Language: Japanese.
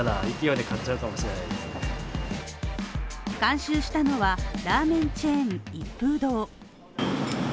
監修したのは、ラーメンチェーン一風堂。